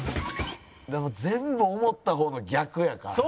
全部思った方の逆やから。